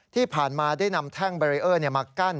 ที่ผ่านมาได้นำแท่งเบรีเออร์มากั้น